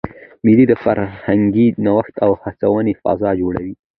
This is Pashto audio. مېلې د فرهنګي نوښت او هڅوني فضا جوړوي.